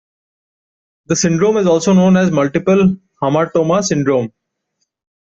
The syndrome is also known as Multiple hamartoma syndrome.